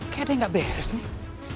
kayaknya gak beres nih